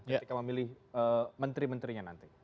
ketika memilih menteri menterinya nanti